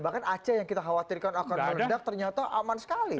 bahkan aceh yang kita khawatirkan akan meledak ternyata aman sekali